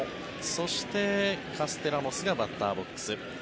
そして、カステラノスがバッターボックス。